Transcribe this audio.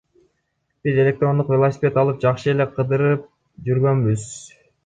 Биз электрондук велосипед алып жакшы эле кыдырып жүргөнбүз.